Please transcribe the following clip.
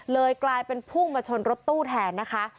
เลยกลายเป็นพุ่งมาชนรถตู้แทนนะคะ